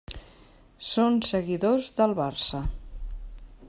Són seguidors del Barça.